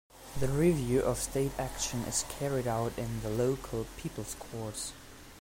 The review of state action is carried out in the local people's courts.